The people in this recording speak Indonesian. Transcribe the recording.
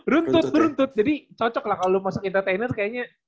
runtut beruntut jadi cocok lah kalau masuk entertainer kayaknya